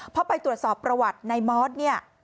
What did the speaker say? พอไปตรวจสอบประวัติในมอสเนี่ย